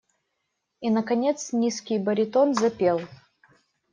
И наконец низкий баритон запел.